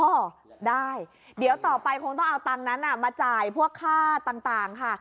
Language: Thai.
ใช่เดี๋ยวต่อไปคงต้องเอาต่างนั่นน่ะมาจ่ายพวกค่าต่างค่ะ